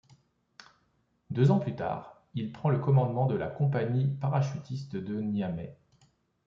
Deux ans plus tard, il prend le commandement de la compagnie parachutiste de Niamey.